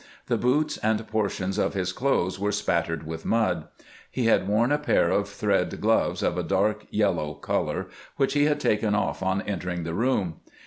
The boots and portions of his clothes were spattered with mud. He had worn a pair of thread gloves of a dark yellow color, which he had taken off on entering the room.